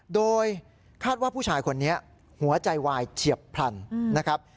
โดยคาดว่าผู้ชายคนนี้หัวใจวายเฉียบพลันนะครับ